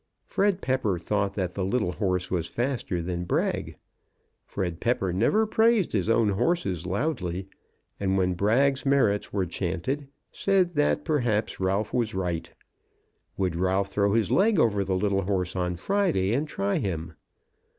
Fred Pepper thought that the little horse was faster than Brag. Fred Pepper never praised his own horses loudly; and when Brag's merits were chaunted, said that perhaps Ralph was right. Would Ralph throw his leg over the little horse on Friday and try him?